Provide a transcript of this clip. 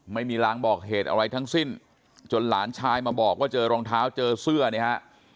ไม่มีรางบอกเหตุอะไรทั้งสิ้นจนหลานชายมาบอกว่าเจอรองเท้าเจอเสื้อเนี่ยฮะ